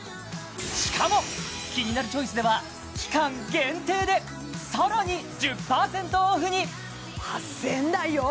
しかも「キニナルチョイス」では期間限定でさらに１０％オフに８０００円台よ？